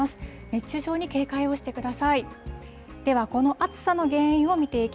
熱中症に警戒をしてください。